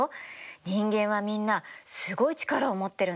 人間はみんなすごい力を持ってるんだから。